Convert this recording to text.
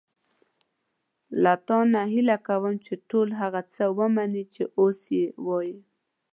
له تا نه هیله کوم چې ټول هغه څه ومنې چې اوس یې وایم.